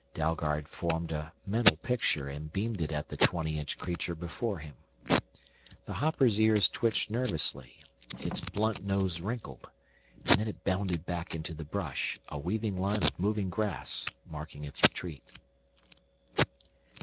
Dalgard formed a mental picture and beamed it at the twenty inch creature before him. The hopper's ears twitched nervously, its blunt nose wrinkled, and then it bounded back into the brush, a weaving line of moving grass marking its retreat.